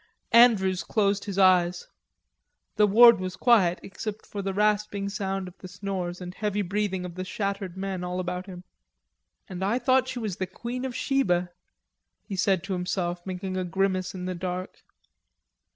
Andrews closed his eyes. The ward was quiet except for the rasping sound of the snores and heavy breathing of the shattered men all about him. "And I thought she was the Queen of Sheba," he said to himself, making a grimace in the dark.